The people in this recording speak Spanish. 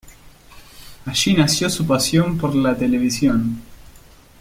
Allí nació su pasión por la televisión.